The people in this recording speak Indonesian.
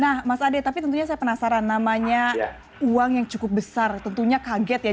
nah mas ade tapi tentunya saya penasaran namanya uang yang cukup besar tentunya kaget ya